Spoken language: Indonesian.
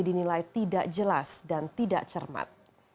dinilai tidak jelas dan tidak cermat